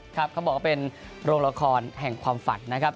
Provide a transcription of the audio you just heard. เขาบอกว่าเป็นโรงละครแห่งความฝันนะครับ